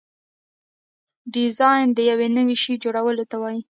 ډیزاین د یو نوي شي جوړولو ته وایي.